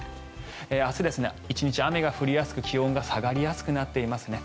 明日、１日雨が降りやすく気温が下がりやすくなっていますね。